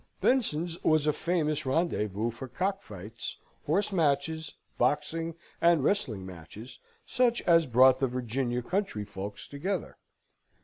Benson's was a famous rendezvous for cock fights, horse matches, boxing, and wrestling matches, such as brought the Virginian country folks together.